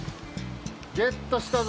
ゲットしたぞ。